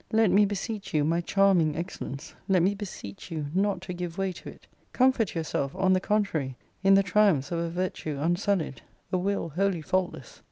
Let me beseech you, my charming excellence, let me beseech you, not to give way to it. Comfort yourself, on the contrary, in the triumphs of a virtue unsullied; a will wholly faultless.